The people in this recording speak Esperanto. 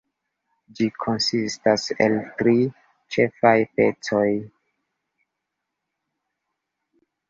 Ĝi konsistas el tri ĉefaj pecoj.